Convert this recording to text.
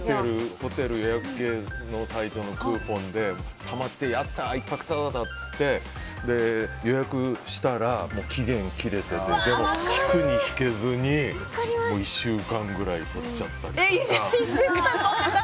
ホテル予約系のサイトのクーポンで、たまってやった、１泊タダだと思って予約したら期限切れててでも、引くに引けず１週間ぐらいとっちゃったりとか。